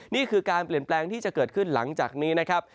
นี่คือการเปลี่ยนแปลงที่จะเกิดขึ้นหลังจากนี้นะครับ